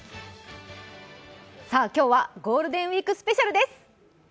今日はゴールデンウイークスペシャルです。